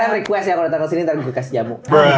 next time request yang udah datang ke sini nanti gue kasih jamu